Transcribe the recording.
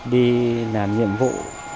đi làm nhiệm vụ